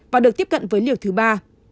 và được tiếp cận với liều thứ ba